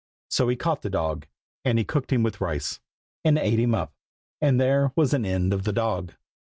So he caught the dog, and he cooked him with rice, and ate him up. And there was an end of the dog.